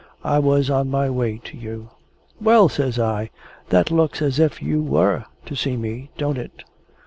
I was on my way to you." "Well!" says I. "That looks as if you were to see me, don't it?"